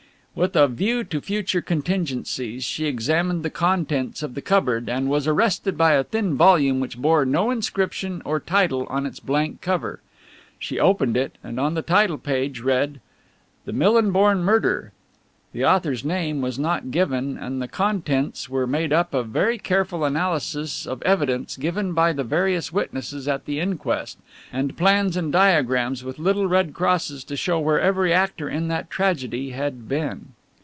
With a view to future contingencies, she examined the contents of the cupboard and was arrested by a thin volume which bore no inscription or title on its blank cover. She opened it, and on the title page read: "The Millinborn Murder." The author's name was not given and the contents were made up of very careful analysis of evidence given by the various witnesses at the inquest, and plans and diagrams with little red crosses to show where every actor in that tragedy had been.